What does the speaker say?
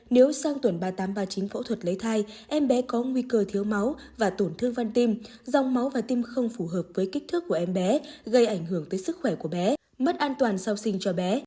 nếu sang tuần ba nghìn tám trăm ba mươi chín phẫu thuật lấy thai em bé có nguy cơ thiếu máu và tổn thương van tim dòng máu và tim không phù hợp với kích thước của em bé gây ảnh hưởng tới sức khỏe của bé mất an toàn sau sinh cho bé